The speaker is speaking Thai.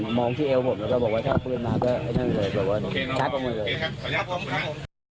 เขามองที่เอวผมแล้วบอกว่าถ้าปืนมาก็ไว้นั่งเลยบอกว่าจัดมือเลย